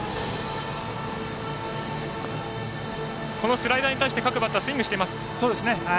スライダーに対して各バッター、スイングしています。